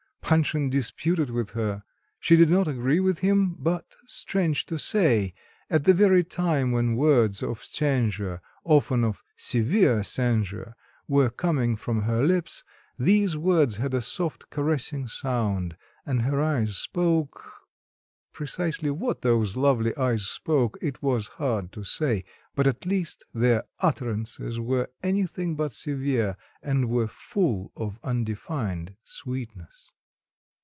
Panshin disputed with her; she did not agree with him.... but, strange to say!... at the very time when words of censure often of severe censure were coming from her lips, these words had a soft caressing sound, and her eyes spoke... precisely what those lovely eyes spoke, it was hard to say; but at least their utterances were anything but severe, and were full of undefined sweetness.